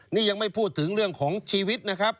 นี่ยังไม่พูดถึงเรื่องของชีวิตนะครับ